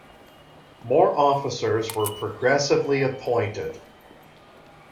More officers were progressively appointed.